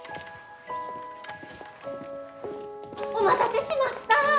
お待たせしました！